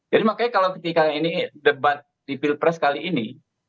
jadi makanya kalau ketika ini debat di pilpres kali ini